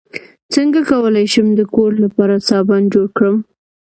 څنګه کولی شم د کور لپاره صابن جوړ کړم